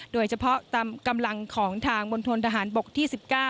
โดยเฉพาะตามกำลังของทางมณฑนทหารบกที่๑๙